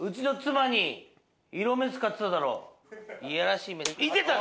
いやらしい目で見てた！